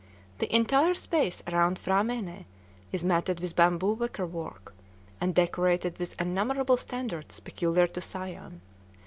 The entire space around the P'hra mène is matted with bamboo wicker work, and decorated with innumerable standards peculiar to Siam.